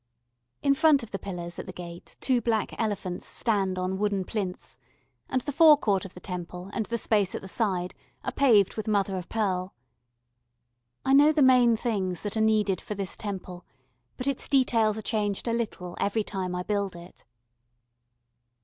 In front of the pillars at the gate two black elephants stand on wooden plinths, and the fore court of the Temple and the space at the side are paved with mother of pearl. I know the main things that are needed for this Temple, but its details are changed a little every time I build it.